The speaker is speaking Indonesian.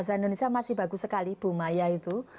bahasa indonesia masih bagus sekali bu maya itu